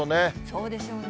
そうでしょうね。